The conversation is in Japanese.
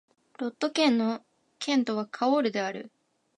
ロット県の県都はカオールである